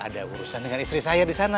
ada urusan dengan istri saya disana